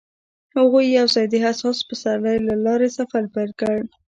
هغوی یوځای د حساس پسرلی له لارې سفر پیل کړ.